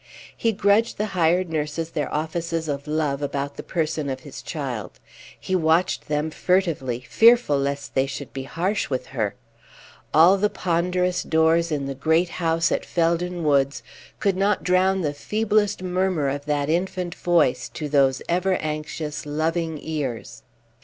He grudged the hired nurses their offices of love about the person of his child. He watched them furtively, fearful lest they should be harsh with her. All the ponderous doors in the great house at Felden Woods could not drown the feeblest murmur of that infant voice to those ever anxious, loving ears.